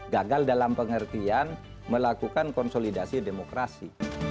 gagal dalam pengertian melakukan konsolidasi demokrasi